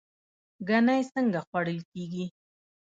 ګنی څنګه خوړل کیږي؟